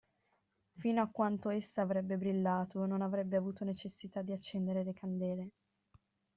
Fino a quanto essa avrebbe brillato, non avrebbe avuto necessità di accendere le candele.